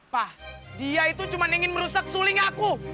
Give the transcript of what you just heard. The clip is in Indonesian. wah dia itu cuma ingin merusak suling aku